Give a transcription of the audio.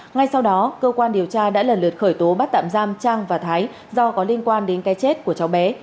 ngay sau đó cơ quan điều tra đã lần lượt khởi tố bắt tạm giam trang và thái do có liên quan đến cái chết của cháu bé